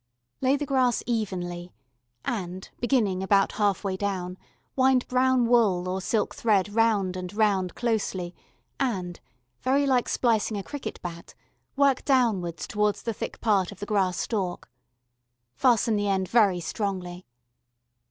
Lay the grass evenly and, beginning about half way down, wind brown wool or silk thread round and round closely and, very like splicing a cricket bat, work downwards towards the thick part of the grass stalk. Fasten the end very strongly.